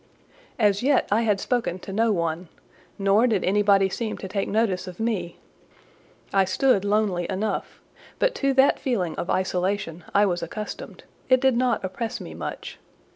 As yet I had spoken to no one, nor did anybody seem to take notice of me; I stood lonely enough: but to that feeling of isolation I was accustomed; it did not oppress me much.